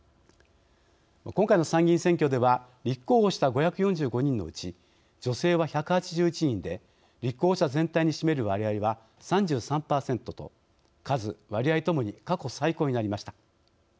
今回の参議院選挙では立候補した５４５人のうち女性は１８１人で立候補者全体に占める割合は３３％と、数、割合ともに過去最高になりました。